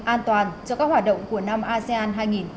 an toàn cho các hoạt động của năm asean hai nghìn hai mươi